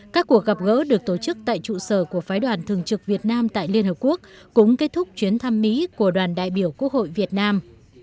các cuộc gặp gỡ được tổ chức tại trụ sở của phái đoàn thường trực việt nam tại liên hợp quốc cũng kết thúc chuyến thăm mỹ của đoàn đại biểu quốc hội việt nam